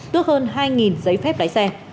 tước hơn hai giấy phép lái xe